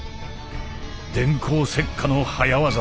電光石火の早業だ。